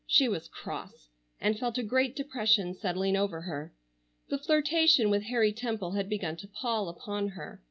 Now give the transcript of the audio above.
She was cross and felt a great depression settling over her. The flirtation with Harry Temple had begun to pall upon her.